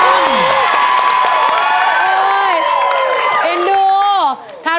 ขอบคุณครับ